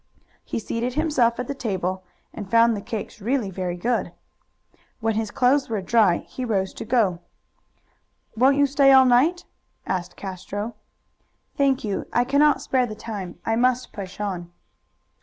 He seated himself at the table, and found the cakes really very good. When his clothes were dry he rose to go. "Won't you stay all night?" asked Castro. "Thank you. I cannot spare the time. I must push on."